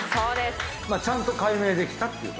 ちゃんと解明できたっていう。